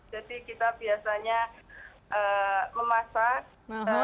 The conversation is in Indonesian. jadi kita biasanya memasak